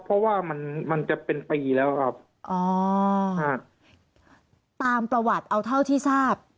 เพราะว่ามันมันจะเป็นปีแล้วครับอ๋อครับตามประวัติเอาเท่าที่ทราบ